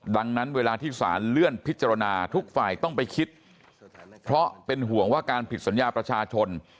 ดังนั้นเวลาที่สารเลื่อนพิจารณาทุกฝ่ายต้องไปคิดเพราะเป็นห่วงว่าการผิดสัญญาประชาชน